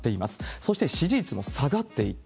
そして、支持率も下がっていった。